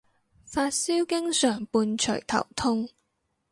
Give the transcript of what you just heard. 發燒經常伴隨頭痛